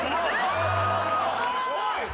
おい。